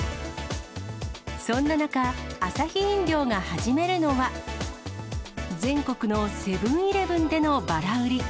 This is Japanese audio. そんな中、アサヒ飲料が始めるのは、全国のセブンーイレブンでのばら売り。